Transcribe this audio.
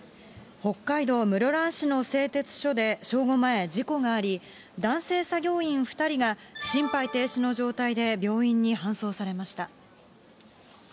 北海道室蘭市の製鉄所で正午前、事故があり、男性作業員２人が、心肺停止の状態で病院に搬送されました。